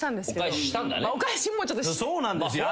そうなんですよ